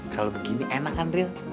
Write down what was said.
kalau begini enak kan ril